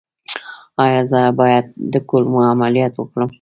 ایا زه باید د کولمو عملیات وکړم؟